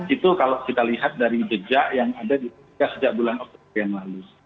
itu kalau kita lihat dari jejak yang ada di sejak bulan oktober yang lalu